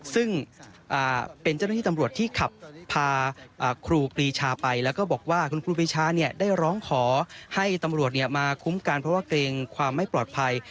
ซึ่งเป็นเจ้าหน้าที่ตำรวจที่ขับพาครูปรีชาไปแล้วก็บอกว่าคุณครูปีชาได้ร้องขอให้ตำรวจมาคุ้มกันเพราะว่าเกรงความไม่ปลอดภัย